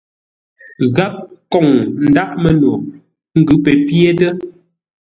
Gháp kôŋ ndáʼ məno, ngʉ́ pə pyétə́.